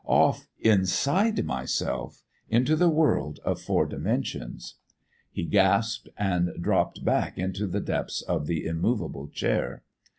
Off, inside myself, into the world of four dimensions!" He gasped and dropped back into the depths of the immovable chair.